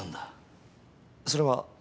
それは。